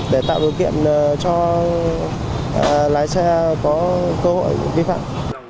để tạo điều kiện cho lái xe có cơ hội vi phạm